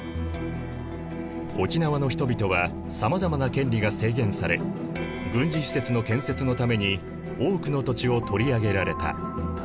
沖縄の人々はさまざまな権利が制限され軍事施設の建設のために多くの土地を取り上げられた。